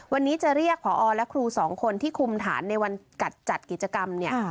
วันนี้จะเรียกพอและครูสองคนที่คุมฐานในวันกัดจัดกิจกรรมเนี่ย